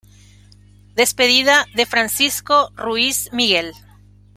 Despedida de Francisco Ruiz Miguel